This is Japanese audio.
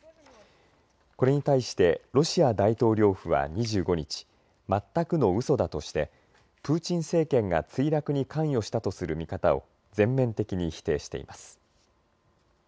これに対してロシア大統領府は２５日全くのうそだとしてプーチン政権が墜落に関与したする見方を全面的に否定しています。